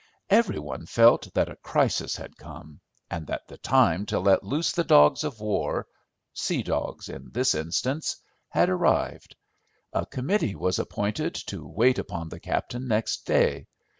Every one felt that a crisis had come, and that the time to let loose the dogs of war—sea dogs in this instance—had arrived. A committee was appointed to wait upon the captain next day.